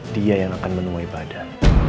dia yang akan menunggu ibadah